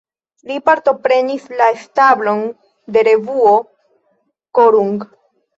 Li partoprenis la establon de revuo "Korunk".